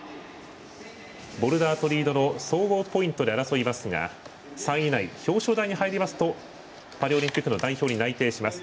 ボルダーとリードの総合ポイントで争いますが３位以内、表彰台に入りますとパリオリンピックの代表に内定します。